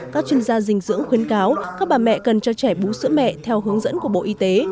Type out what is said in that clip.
các chuyên gia dinh dưỡng khuyến cáo các bà mẹ cần cho trẻ bú sữa mẹ theo hướng dẫn của bộ y tế